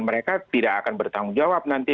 mereka tidak akan bertanggung jawab nanti